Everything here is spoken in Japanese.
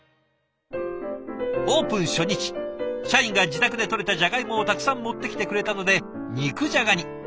オープン初日社員が自宅でとれたじゃがいもをたくさん持ってきてくれたので肉じゃがに。